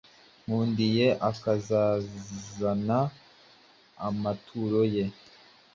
Nkundiye akazana amaturo ye